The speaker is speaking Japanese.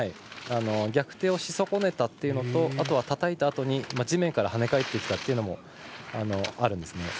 逆手をし損ねたというのとたたいたあとに地面から跳ね返ってきたというのもあるんですね。